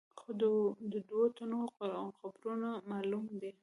خو د دوو تنو قبرونه معلوم دي.